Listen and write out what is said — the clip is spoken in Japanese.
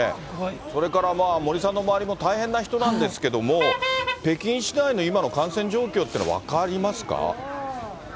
それから森さんの周りも大変な人なんですけども、北京市内の今の感染状況というの、分かりますか？